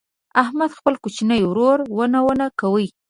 احمد خپل کوچنی ورور ونه ونه کوي.